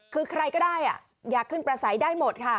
คือใครก็ได้อยากขึ้นประสัยได้หมดค่ะ